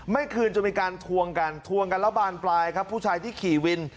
ไม่คืนจะมีการทวงกันทวงกันแล้วบานปลายครับผู้ชายที่ขี่วิน